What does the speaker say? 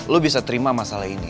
lo bisa terima masalah ini